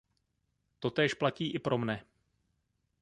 Totéž platí i pro mne.